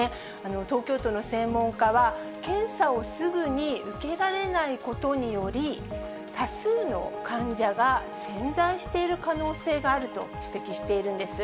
東京都の専門家は、検査をすぐに受けられないことにより、多数の患者が潜在している可能性があると指摘しているんです。